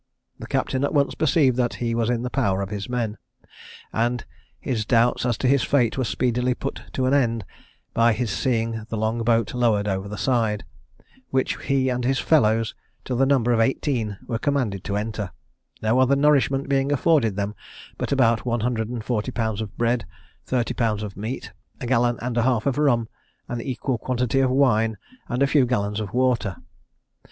The captain at once perceived that he was in the power of his men; and his doubts as to his fate were speedily put an end to by his seeing the long boat lowered over the side, which he and his fellows, to the number of eighteen, were commanded to enter, no other nourishment being afforded them but about one hundred and forty pounds of bread, thirty pounds of meat, a gallon and a half of rum, an equal quantity of wine, and a few gallons of water.